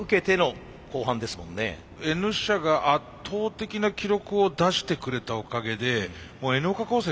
Ｎ社が圧倒的な記録を出してくれたおかげでＮ岡高専